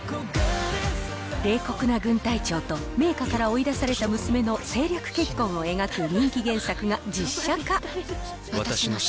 冷酷な軍隊長と名家から追い出された娘の政略結婚を描く人気原作が実写化。